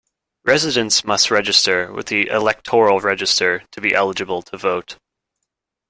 Residents must register with the electoral register to be eligible to vote.